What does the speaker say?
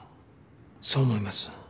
そう思います。